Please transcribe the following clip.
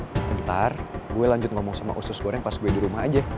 bentar gue lanjut ngomong sama usus goreng pas gue di rumah aja